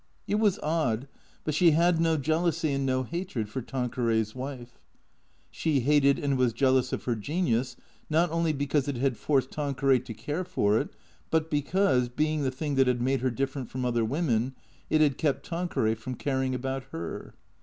It was odd, but she had no jealousy and no hatred for Tan queray's wife. She hated and was jealous of her genius, not only because it had forced Tanqueray to care for it, but because, being the thing that had made her different from other women, it had kept Tanqueray from caring about her.